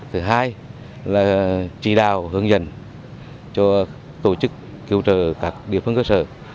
thứ hai là chỉ đào hướng dẫn cho tổ chức cứu trợ các địa phương cơ sở